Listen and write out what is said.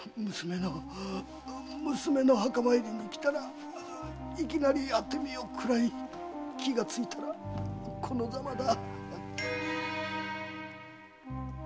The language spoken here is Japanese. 娘の墓参りに来たらいきなり当て身をくらい気がついたらこのざまだ。